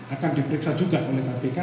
akan diperiksa juga oleh kpk